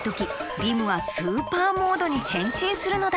リムはスーパーモードにへんしんするのだ！